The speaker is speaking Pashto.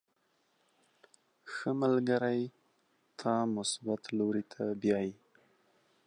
• ښه ملګری تا مثبت لوري ته بیایي.